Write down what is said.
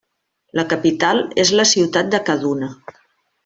La capital és la ciutat de Kaduna.